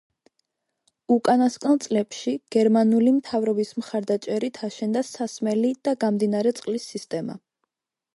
უკანასკნელ წლებში, გერმანული მთავრობის მხარდაჭერით აშენდა სასმელი და გამდინარე წყლის სისტემა.